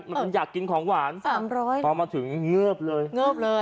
มันอยากกินของหวานเอามาถึงเงือบเลย